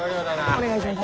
お願いします。